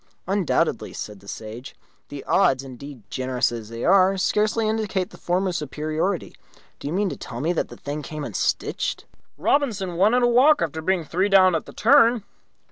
"Undoubtedly," said the Sage. "The odds, indeed, generous as they are, scarcely indicate the former's superiority. Do you mean to tell me that the thing came unstitched?" "Robinson won in a walk, after being three down at the turn.